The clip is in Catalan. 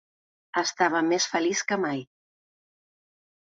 Estava més feliç que mai.